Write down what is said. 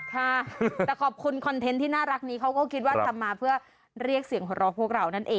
แต่ขอบคุณคอนเทนต์ที่น่ารักนี้เขาก็คิดว่าทำมาเพื่อเรียกเสียงหัวเราะพวกเรานั่นเอง